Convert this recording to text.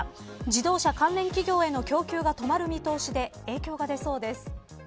自動車関連企業への供給が止まる見通しで影響が出そうです。